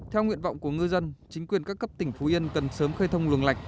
theo nguyện vọng của ngư dân chính quyền các cấp tỉnh phú yên cần sớm khơi thông luồng lạch